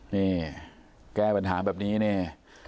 นี่แก้ปัญหาแบบนี้นี่